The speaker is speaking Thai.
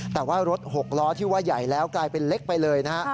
แต่ว่ารถ๖ล้อที่ว่าใหญ่แล้วกลายเป็นเล็กไปเลยนะฮะ